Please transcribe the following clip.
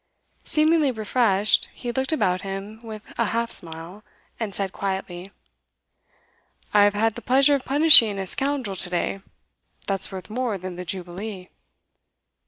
Seemingly refreshed, he looked about him with a half smile, and said quietly: 'I've had the pleasure of punishing a scoundrel to day. That's worth more than the Jubilee.